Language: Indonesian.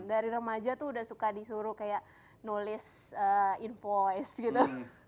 dari remaja tuh udah suka disuruh kayak nulis invoice gitu